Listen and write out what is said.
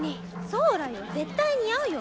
そうらよ絶対似合うよ。